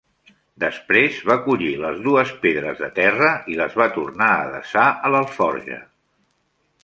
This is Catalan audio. Després va collir les dues pedres de terra i les va tornar a desar a l'alforja